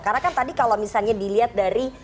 karena kan tadi kalau misalnya dilihat dari